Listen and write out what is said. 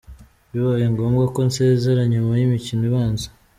Bibaye ngombwa ko nsezera, nyuma y’imikino ibanza.